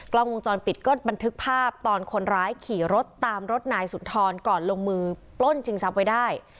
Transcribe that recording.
กล้องวงจรปิดก็บันทึกภาพตอนคนร้ายขี่รถตามรถนายสุนทรก่อนลงมือปล้นชิงทรัพย์ไว้ได้